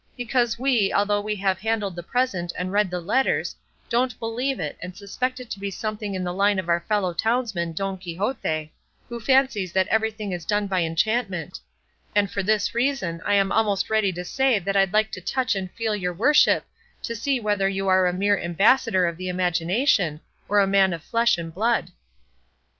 Because we, although we have handled the present and read the letters, don't believe it and suspect it to be something in the line of our fellow townsman Don Quixote, who fancies that everything is done by enchantment; and for this reason I am almost ready to say that I'd like to touch and feel your worship to see whether you are a mere ambassador of the imagination or a man of flesh and blood."